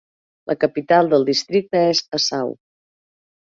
La capital del districte és Asau.